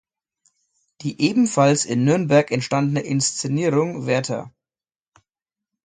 Die ebenfalls in Nürnberg entstandene Inszenierung "Werther!